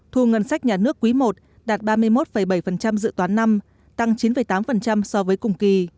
thu ngân sách nhà nước quý i đạt ba mươi một bảy dự toán năm tăng chín tám so với cùng kỳ